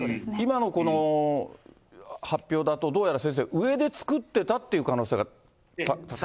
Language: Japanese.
今のこの発表だと、どうやら先生、上で作ってたという可能性が高い？